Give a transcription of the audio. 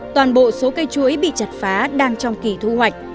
toàn bộ số cây chuối bị chặt phá đang trong kỳ thu hoạch